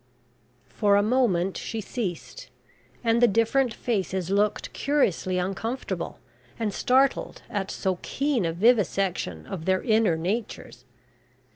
'" For a moment she ceased, and the different faces looked curiously uncomfortable and startled at so keen a vivisection of their inner natures.